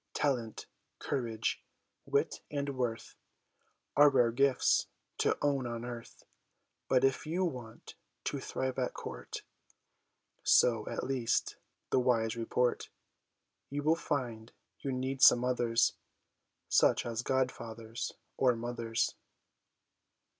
ALSO Talent, courage, wit, and worth Are rare gifts to own on earth. But if you want to thrive at court So, at least, the wise report You will find you need some others, Such as god fathers or mothers.